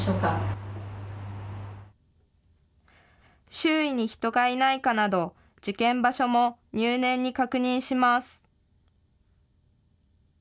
周囲に人がいないかなど、受検場所も入念に確認します。